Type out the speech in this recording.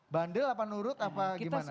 bandel apa nurut apa gimana